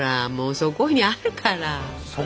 そこにあるから？